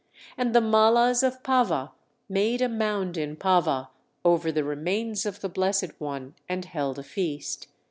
And the Mallas of Pava made a mound in Pava over the remains of the Blessed One, and held a feast.